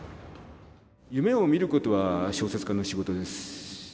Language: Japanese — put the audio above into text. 夢を見ることは小説家の仕事です。